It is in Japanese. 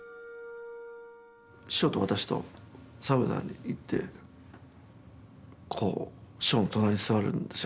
師匠と私とサウナに行ってこう師匠の隣に座るんですよ。